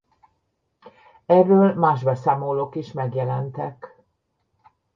Erről más beszámolók is megjelentek.